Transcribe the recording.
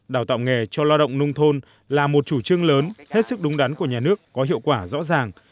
đào tạo nghề cho lao động nông thôn là một chủ trương lớn hết sức đúng đắn của nhà nước có hiệu quả rõ ràng